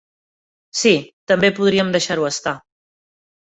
Sí, també podríem deixar-ho estar.